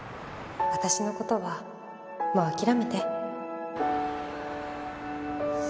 私の事はもう諦めて。